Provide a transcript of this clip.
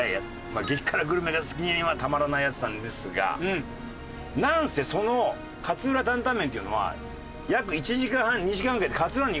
まあ激辛グルメ好きにはたまらないやつなんですがなんせその勝浦タンタンメンっていうのは約１時間半２時間かけてそうですね。